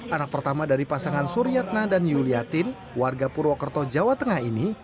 anak pertama dari pasangan suriyatna dan yuliatin warga purwokerto jawa tengah ini